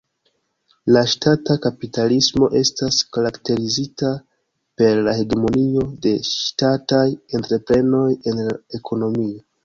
La Ŝtata kapitalismo estas karakterizita per la hegemonio de ŝtataj entreprenoj en la ekonomio.